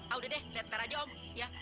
ah udah deh lihat ntar aja om ya